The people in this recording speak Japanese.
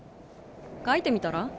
描いてみたら？